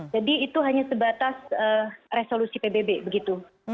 jadi itu hanya sebatas resolusi pbb begitu